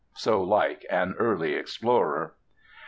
So like an early explorer.